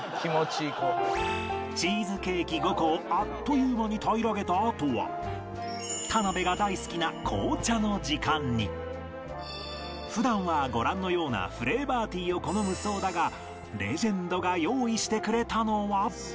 チーズケーキ５個をあっという間に平らげたあとは田辺が大好きな普段はご覧のようなフレーバーティーを好むそうだがレジェンドが用意してくれたのは